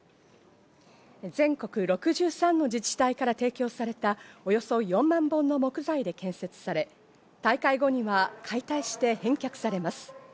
全国６３の自治体から提供された、およそ４万本の木材で建設され、大会後には解体して返却されます。